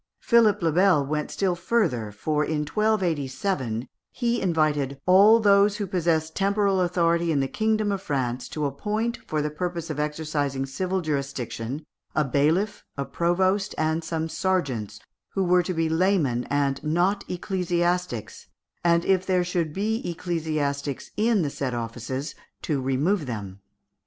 Philippe le Bel went still further, for, in 1287, he invited "all those who possess temporal authority in the kingdom of France to appoint, for the purpose of exercising civil jurisdiction, a bailiff, a provost, and some serjeants, who were to be laymen, and not ecclesiastics, and if there should be ecclesiastics in the said offices, to remove them."